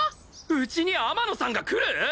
うちに天野さんが来る！？